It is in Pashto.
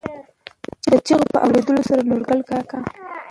دې چېغو په اورېدو سره نورګل کاکا.